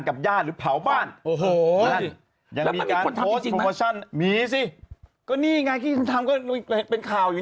กับญาติหรือเผาบ้านโอ้โหมีซิก็นี่ไงที่ทำก็เป็นข่าวอยู่